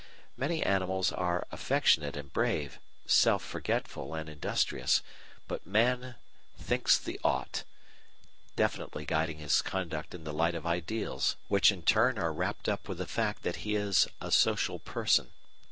Many animals are affectionate and brave, self forgetful and industrious, but man "thinks the ought," definitely guiding his conduct in the light of ideals, which in turn are wrapped up with the fact that he is "a social person."